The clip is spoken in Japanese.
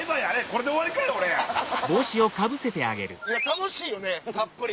楽しいよねたっぷり。